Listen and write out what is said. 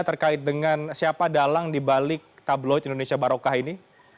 terkait dengan siapa dalang di balik tabloid indonesia baroka ini